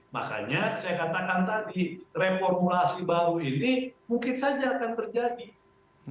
makanya saya katakan tadi reformulasi baru ini mungkin saja akan terjadi